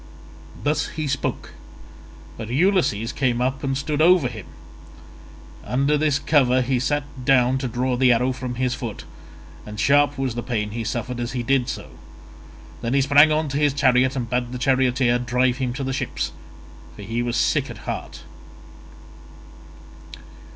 Thus he spoke, but Ulysses came up and stood over him. Under this cover he sat down to draw the arrow from his foot, and sharp was the pain he suffered as he did so. Then he sprang on to his chariot and bade the charioteer drive him to the ships, for he was sick at heart.